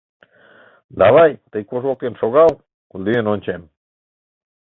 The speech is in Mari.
Давай, тый кож воктен шогал, лӱен ончем.